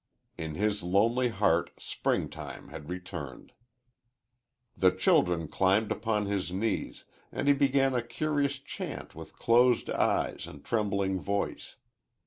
In his lonely heart spring time had returned. The children climbed upon his knees, and he began a curious chant with closed eyes and trembling voice.